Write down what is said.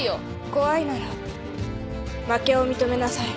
怖いなら負けを認めなさい。